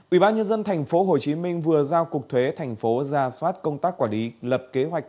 ủy ban nhân dân tp hcm vừa giao cục thuế tp hcm ra soát công tác quản lý lập kế hoạch